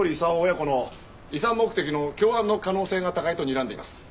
親子の遺産目的の共犯の可能性が高いとにらんでいます。